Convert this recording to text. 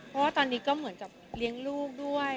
เพราะว่าตอนนี้ก็เหมือนกับเลี้ยงลูกด้วย